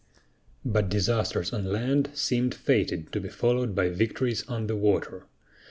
But disasters on land seemed fated to be followed by victories on the water.